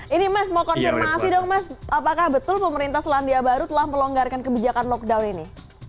ini mas mau konfirmasi dong mas apakah betul pemerintah selandia baru telah melonggarkan kebijakan lockdown ini